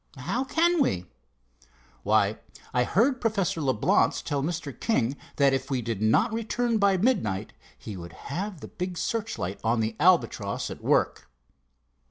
"How can we?" "Why, I heard Professor Leblance tell Mr. King that if we did not return by midnight, he would have the big searchlight on the Albatross at work."